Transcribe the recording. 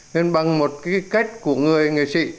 nên bằng một cái cách của người nghị sĩ